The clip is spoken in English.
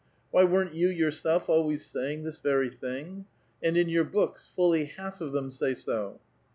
Why, weren't you yourself always saying this very thing? And in your books — fully half of them say so